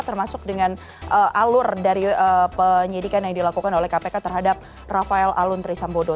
termasuk dengan alur dari penyelidikan yang dilakukan oleh kpk terhadap rafael aluntri sambodo